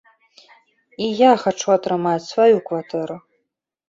І я хачу атрымаць сваю кватэру!